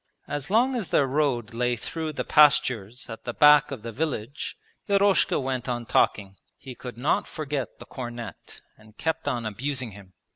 As long as their road lay through the pastures at the back of the village Eroshka went on talking. He could not forget the cornet and kept on abusing him.